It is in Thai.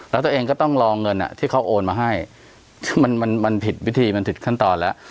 แล้วตัวเองก็ต้องรอเงินที่เขาโอนมาให้มันมันผิดวิธีมันผิดขั้นตอนแล้ว